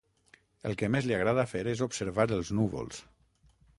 El que més li agrada fer és observar els núvols.